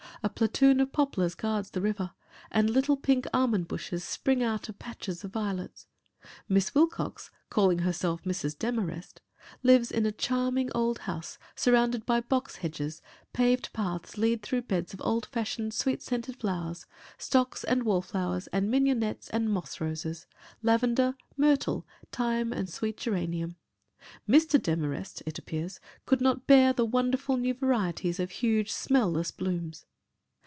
A platoon of poplars guards the river, and little pink almond bushes spring out of patches of violets. Miss Wilcox, calling herself Mrs. Demarest, lives in a charming old house surrounded by box hedges, paved paths lead through beds of old fashioned sweet scented flowers, stocks and wall flowers and mignonette and moss roses, lavender, myrtle, thyme and sweet geranium. Mr. Demarest, it appears, could not bear the wonderful new varieties of huge, smell less blooms.